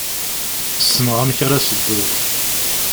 Ssneɣ amek ara s-dduɣ.